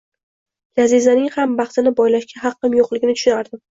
Lazizaning ham baxtini boylashga haqqim yo`qligini tushunardim